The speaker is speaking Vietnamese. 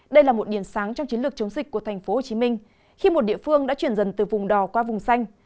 đây là một điểm sáng trong chiến lược chống dịch của tp hcm khi một địa phương đã chuyển dần từ vùng đò qua vùng xanh